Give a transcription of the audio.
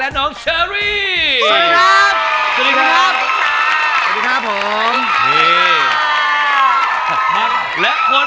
คนผม